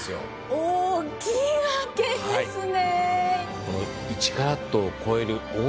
大きいわけですね！